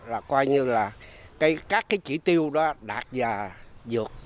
là coi như là các cái chỉ tiêu đó đạt và vượt